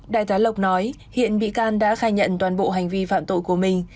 đại tá lộc nói hiện bị can đã khai nhận toàn bộ hành vi phạm tội của mình